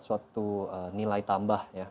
suatu nilai tambah ya